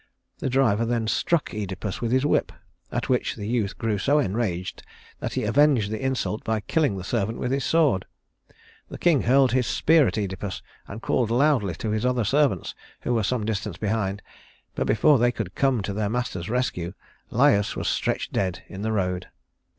The driver then struck Œdipus with his whip, at which the youth grew so enraged that he avenged the insult by killing the servant with his sword. The king hurled his spear at Œdipus and called loudly to his other servants, who were some distance behind; but before they could come to their master's rescue, Laius was stretched dead in the road.